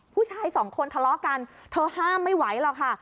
ผู้ชายสองคนทะเลาะกันเธอห้ามไม่ไหวหรอกค่ะ